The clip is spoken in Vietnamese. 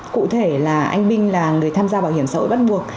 cụ thể là anh binh là người tham gia bảo hiểm xã hội bắt buộc